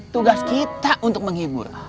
tugas kita untuk menghibur